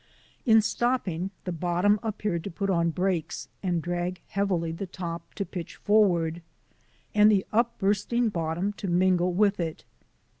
In stopping, the bottom appeared to put on brakes and drag heavily, the top to pitch forward, and the upbursting bottom to mingle with it.